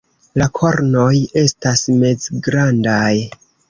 La kornoj estas mezgrandaj.